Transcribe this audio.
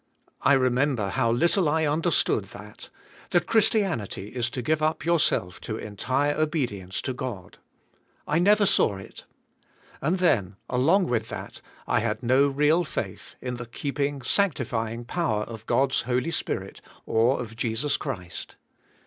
I remember how little I understood that — that Christianity is to g ive up your self to entire obedience to God. I never saw it. And then, along with that, I had no real faith in the keeping , sanctifying power of God's Holy Spirit or of Jesus Christ.